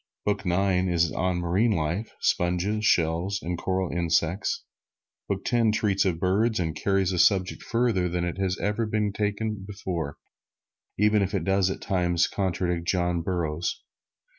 Book Nine is on marine life sponges, shells and coral insects. Book Ten treats of birds, and carries the subject further than it had ever been taken before, even if it does at times contradict John Burroughs.